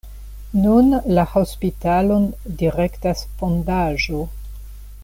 Nun la hospitalon direktas fondaĵo.